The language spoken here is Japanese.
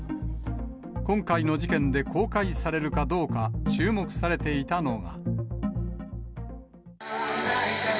今回の事件で公開されるかどうか注目されていたのが。